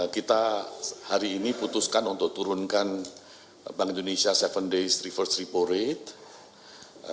kita hari ini putuskan untuk turunkan bank indonesia tujuh days reverse repo rate